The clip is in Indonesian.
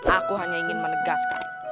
aku hanya ingin menegaskan